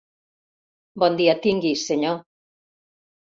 Bon dia tingui, senyor.